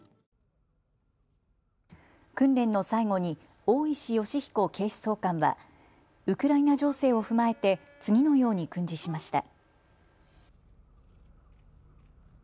訓練の最後に大石吉彦警視総監はウクライナ情勢を踏まえて次のように訓示しました。